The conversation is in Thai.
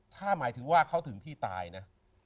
ถ้าหมายถึงว่าเขาถึงที่ตายนะ